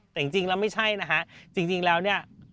แต่จริงแล้วไม่ใช่นะฮะจริงแล้วเนี่ย